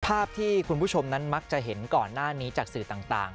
ภาพที่คุณผู้ชมนั้นมักจะเห็นก่อนหน้านี้จากสื่อต่าง